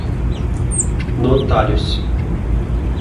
notários